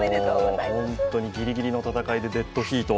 ホントにギリギリの戦いでデッドヒート。